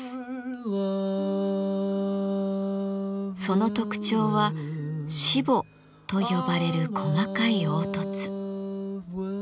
その特徴はしぼと呼ばれる細かい凹凸。